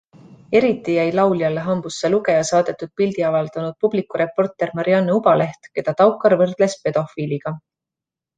Eriti jäi lauljale hambusse lugeja saadetud pildi avaldanud Publiku reporter Marianne Ubaleht, keda Taukar võrdles pedofiiliga.